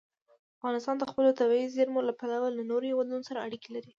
افغانستان د خپلو طبیعي زیرمو له پلوه له نورو هېوادونو سره اړیکې لري.